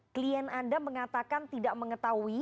klien anda mengatakan tidak mengetahui